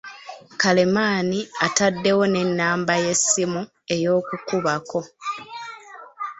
Karemani ataddewo n'ennamba ey'essimu ey’okukubako.